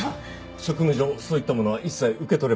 職務上そういったものは一切受け取れません。